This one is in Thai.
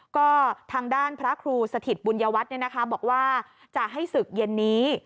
ก็ทางด้านพระครูสถิตบุญยวัฒน์บอกว่าจะให้ศึกเย็นนี้